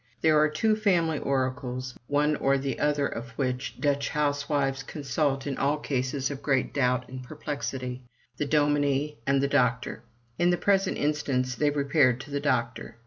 There are two family oracles, one or other of which Dutch house wives consult in all cases of great doubt and perplexity — the dominie and the doctor. In the present instance they repaired to the doctor.